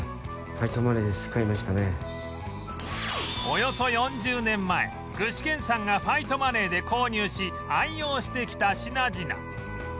およそ４０年前具志堅さんがファイトマネーで購入し愛用してきた品々